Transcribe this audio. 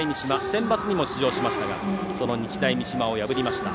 センバツにも出場しましたが日大三島を破りました。